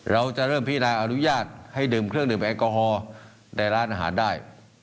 เราจะเริ่มพินาอนุญาตให้ดื่มเครื่องดื่มแอลกอฮอล์ในร้านอาหารได้